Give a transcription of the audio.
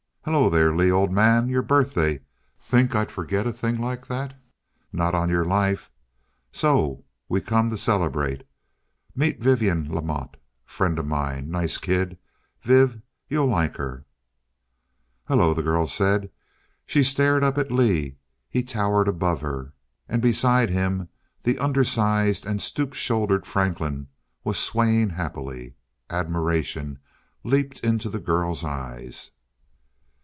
Hello there, Lee ol' man your birthday think I'd forget a thing like that, not on your life. So we come t'celebrate meet Vivian Lamotte frien' o' mine. Nice kid, Viv you'll like her." "Hello," the girl said. She stared up at Lee. He towered above her, and beside him the undersized and stoop shouldered Franklin was swaying happily. Admiration leaped into the girl's eyes.